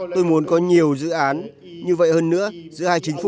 tôi muốn có nhiều dự án như vậy hơn nữa giữa hai chính phủ